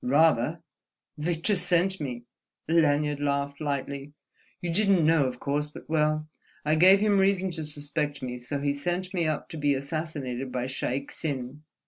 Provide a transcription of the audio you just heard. "Rather! Victor sent me." Lanyard laughed lightly. "You didn't know, of course, but—well, I gave him reason to suspect me, so he sent me up to be assassinated by Shaik Tsin.